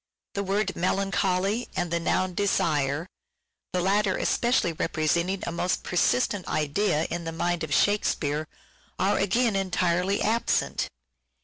The word " melancholy " and the noun " desire," the latter especially represent ing a most persistent idea in the mind of " Shake speare," are again entirely absent.